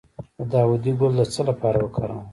د داودي ګل د څه لپاره وکاروم؟